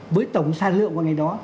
với tổng sản lượng của ngày đó